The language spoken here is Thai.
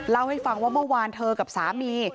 เล่าให้ฟังว่าเมื่อวานเธอกับสามี